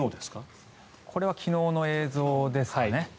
これは昨日の映像ですね。